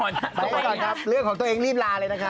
เนอะค่ะค่ะเนี่ยค่ะ